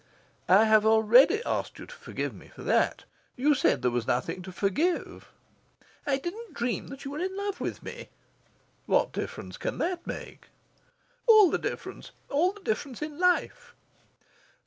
"I have already asked you to forgive me for that. You said there was nothing to forgive." "I didn't dream that you were in love with me." "What difference can that make?" "All the difference! All the difference in life!"